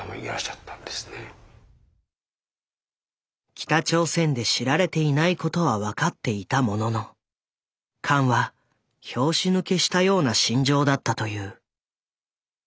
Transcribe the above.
北朝鮮で知られていないことは分かっていたもののカンは拍子抜けしたような心情だったという。